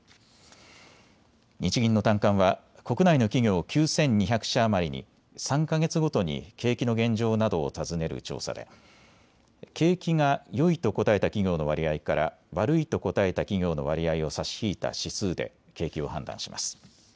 日銀の短観は国内の企業９２００社余りに３か月ごとに景気の現状などを尋ねる調査で景気がよいと答えた企業の割合から悪いと答えた企業の割合を差し引いた指数で景気を判断します。